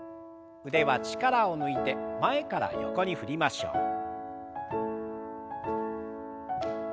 腕は力を抜いて前から横に振りましょう。